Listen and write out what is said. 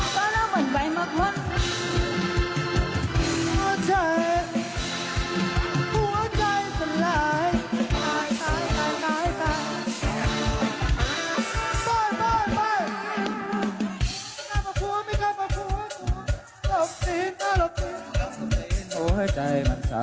ปล่อยปล่อยปล่อย